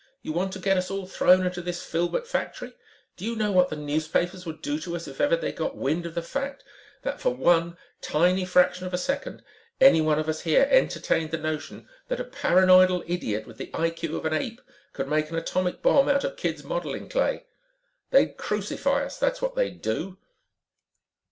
"You want to get us all thrown into this filbert factory? Do you know what the newspapers would do to us if they ever got wind of the fact, that for one, tiny fraction of a second, anyone of us here entertained the notion that a paranoidal idiot with the IQ of an ape could make an atomic bomb out of kid's modeling clay? "They'd crucify us, that's what they'd do!"